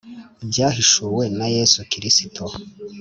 Ibyahishuwe na Yesu Kristo,